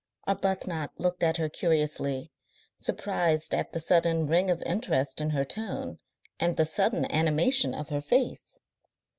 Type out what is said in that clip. Arbuthnot looked at her curiously, surprised at the sudden ring of interest in her tone, and the sudden animation of her face.